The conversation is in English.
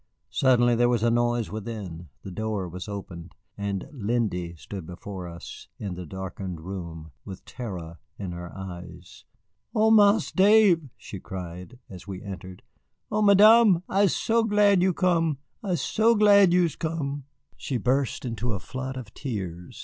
Suddenly there was a noise within, the door was opened, and Lindy stood before us, in the darkened room, with terror in her eyes. "Oh, Marse Dave," she cried, as we entered, "oh, Madame, I'se so glad you'se come, I'se so glad you'se come." She burst into a flood of tears.